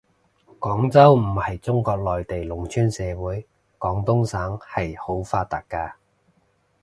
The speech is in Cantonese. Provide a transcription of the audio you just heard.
廣州唔係中國內地農村社會，廣東省係好發達嘅